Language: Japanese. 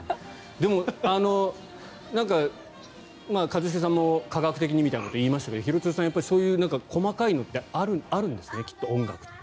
でも、一茂さんも科学的にみたいなこと言っていましたけど廣津留さん、やっぱりそういう細かいのってあるんですね、音楽って。